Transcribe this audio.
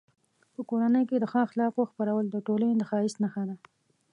په کورنۍ کې د ښو اخلاقو خپرول د ټولنې د ښایست نښه ده.